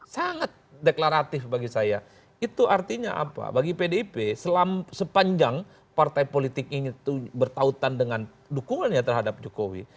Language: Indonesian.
sangat deklaratif bagi saya itu artinya apa bagi pdip sepanjang partai politik ini bertautan dengan dukungannya terhadap jokowi